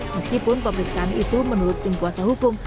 meskipun pemeriksaan itu menurut tim kuasa hukum